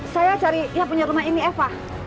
saya cari yang punya rumah ini eva